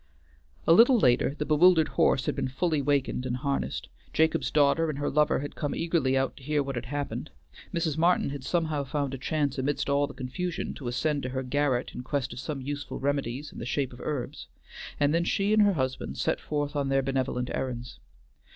A little later the bewildered horse had been fully wakened and harnessed; Jacob's daughter and her lover had come eagerly out to hear what had happened; Mrs. Martin had somehow found a chance amidst all the confusion to ascend to her garret in quest of some useful remedies in the shape of herbs, and then she and her husband set forth on their benevolent errands.